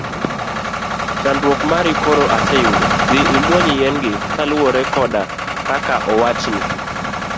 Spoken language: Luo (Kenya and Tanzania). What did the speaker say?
Chandruok mari koro aseyudo, dhi imuony yien gi kaluwore koda kaka owachni.